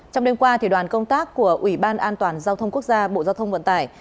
trong đêm qua đoàn công tác của ủy ban an toàn giao thông quốc gia bộ giao thông vận tải